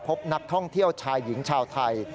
พบนักท่องเที่ยวชายหญิงชาวไทย